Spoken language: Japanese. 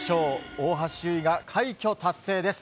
大橋悠依が快挙達成です。